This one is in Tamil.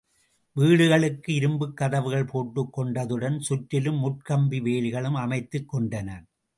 வீடுகளுக்கு இரும்புக் கதவுகள் போட்டுக் கொண்டதுடன் சுற்றிலும் முட்கம்பி வேலிகளும் அமைத்துக் கொண்டனர்.